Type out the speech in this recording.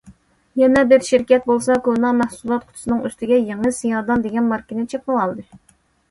يەنە بىر شىركەت بولسا كونا مەھسۇلات قۇتىسىنىڭ ئۈستىگە« يېڭى سىيادان» دېگەن ماركىنى چاپلىۋالدى.